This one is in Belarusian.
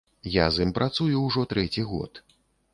Я з ім працую ўжо трэці год.